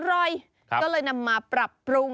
อร่อยก็เลยนำมาปรับปรุง